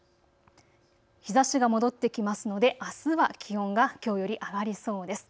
日ざしが戻ってきますのであすは気温がきょうより上がりそうです。